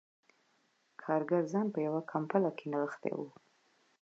کارګر ځان په یوه کمپله کې نغښتی و